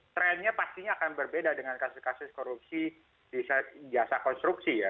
trendnya pastinya akan berbeda dengan kasus kasus korupsi di jasa konstruksi ya